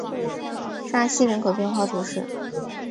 沙西人口变化图示